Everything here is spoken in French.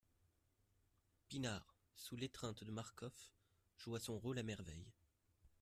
Pinard, sous l'étreinte de Marcof, joua son rôle à merveille.